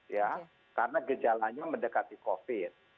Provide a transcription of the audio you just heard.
karena gejalanya mendekati covid